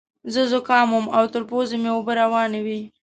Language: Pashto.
زه ذکام وم او تر پوزې مې اوبه روانې وې.